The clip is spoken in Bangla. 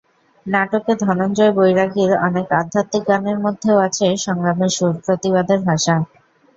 নাটকে ধনঞ্জয় বৈরাগীর অনেক আধ্যাত্মিক গানের মধ্যেও আছে সংগ্রামের সুর, প্রতিবাদের ভাষা।